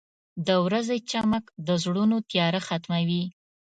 • د ورځې چمک د زړونو تیاره ختموي.